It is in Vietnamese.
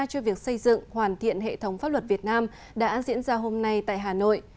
cho việc xây dựng hoàn thiện hệ thống pháp luật việt nam đã diễn ra hôm nay tại hà nội